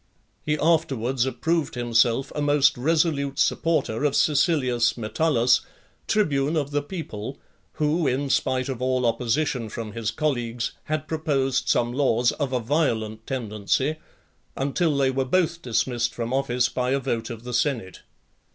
XVI. He afterwards approved himself a most resolute supporter of Caecilius Metullus, tribune of the people, who, in spite of all opposition from his colleagues, had proposed some laws of a violent tendency , until they were both dismissed from office by a vote of the senate.